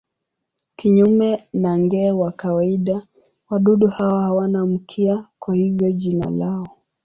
Kinyume na nge wa kawaida wadudu hawa hawana mkia, kwa hivyo jina lao.